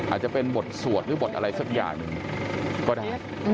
อาจจะเป็นบทสวดหรือบทอะไรสักอย่างหนึ่งก็ได้